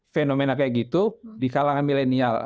fenomena kayak gitu di kalangan milenial